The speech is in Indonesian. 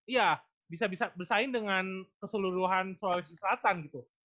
iya bisa bisa bersaing dengan keseluruhan sulawesi selatan gitu